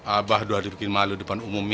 abah doa dibikin malu depan umi